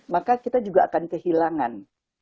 maka kita juga akan kehilangan